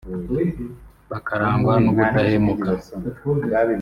bakarangwa n’ubudahemuka